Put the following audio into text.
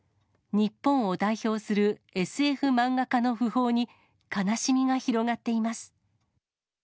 日本を代表するＳＦ漫画家の訃報に、悲しみが広がっています。